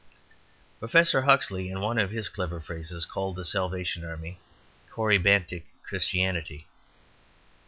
Professor Huxley, in one of his clever phrases, called the Salvation Army "corybantic Christianity."